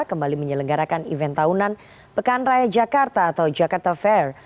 kembali menyelenggarakan event tahunan pekan raya jakarta atau jakarta fair